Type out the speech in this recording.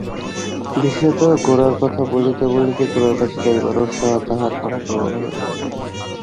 বিশেষত গোরার কথা বলিতে বলিতে গোরার কাছে যাইবার উৎসাহও তাহার মনে প্রবল হইয়া উঠিল।